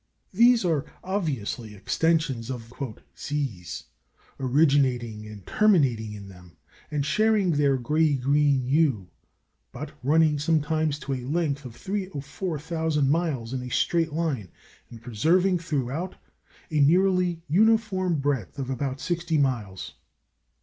These are obviously extensions of the "seas," originating and terminating in them, and sharing their gray green hue, but running sometimes to a length of three or four thousand miles in a straight line, and preserving throughout a nearly uniform breadth of about sixty miles.